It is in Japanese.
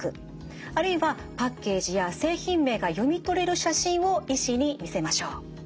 あるいはパッケージや製品名が読み取れる写真を医師に見せましょう。